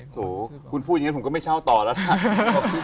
โถคุณพูดอย่างนี้ผมก็ไม่เช่าต่อแล้วล่ะ